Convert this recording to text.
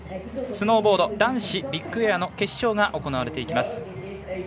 スノーボード、男子ビッグエアの決勝が行われていきます。